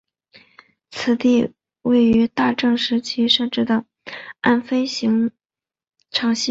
此地位于大正时期设置的岸飞行场西端。